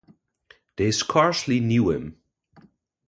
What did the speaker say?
They scarcely knew him.